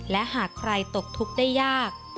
และหากใครตกทุกข์ได้ยาก